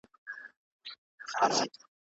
د ملا سمه ناسته درد کموي.